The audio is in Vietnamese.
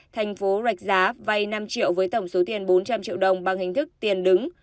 thành phố rạch giá vay năm triệu với tổng số tiền bốn trăm linh triệu đồng bằng hình thức tiền đứng